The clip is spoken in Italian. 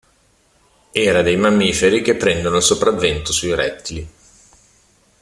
Era dei mammiferi, che prendono il sopravvento sui rettili.